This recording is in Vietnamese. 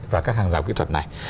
và các hàng rào kỹ thuật này